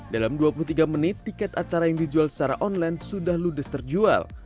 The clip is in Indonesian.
dalam dua puluh tiga menit tiket acara yang dijual secara online sudah ludes terjual